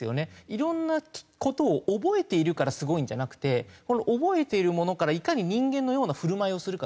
いろんな事を覚えているからすごいんじゃなくてこの覚えているものからいかに人間のような振る舞いをするかとか。